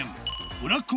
ブラック